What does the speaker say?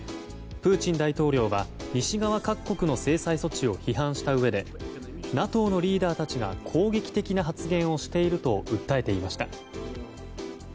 プーチン大統領は西側各国の制裁措置を批判したうえでＮＡＴＯのリーダーたちが攻撃的な発言をしていると訴えていました。